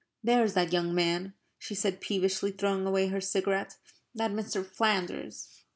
"There is that young man," she said, peevishly, throwing away her cigarette, "that Mr. Flanders."